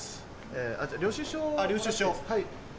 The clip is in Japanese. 領収書？